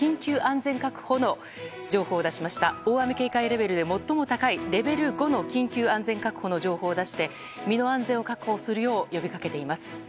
大雨警戒レベルで最も高いレベル５の緊急安全確保の情報を出して身の安全を確保するよう呼びかけています。